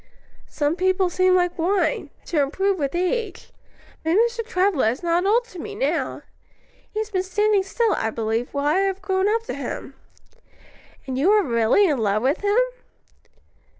"Some people seem like wine to improve with age. But Mr. Travilla is not old to me now. He has been standing still, I believe, while I have grown up to him." "And you really are in love with him?"